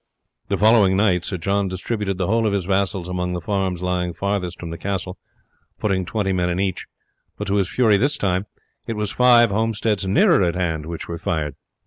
The following night Sir John distributed the whole of his vassals among the farms lying farthest from the castle, putting twenty men in each; but to his fury this time it was five homesteads nearer at hand which were fired.